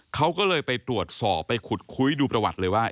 เขาก็เลยไปตรวจสอบไปขุดคุยดูประวัติเลยว่า